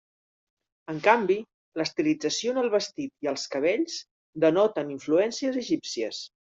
En canvi, l'estilització en el vestit i els cabells denoten influències egípcies.